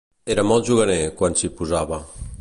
Era molt juganer, quan s'hi posava.